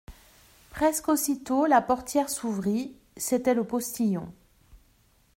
Presque aussitôt la portière s'ouvrit : c'était le postillon.